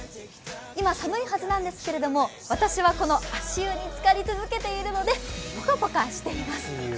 今寒いはずなんですけれども私はこの足湯につかり続けているのでポカポカしています。